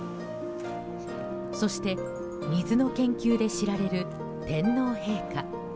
そして、水の研究で知られる天皇陛下。